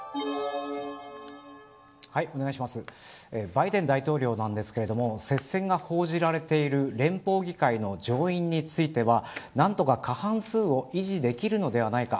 バイデン大統領ですが接戦が報じられている連邦議会の上院については何とか過半数を維持できるのではないか。